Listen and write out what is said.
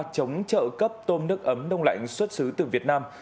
chống trợ cấp tôm nước ấm đông lạnh xuất xứ từ việt nam